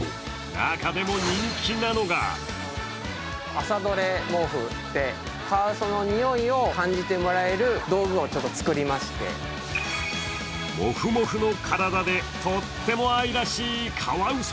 中でも人気なのがモフモフの体でとっても愛らしいカワウソ。